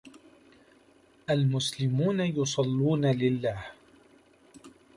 المسلمون يصلّون لله.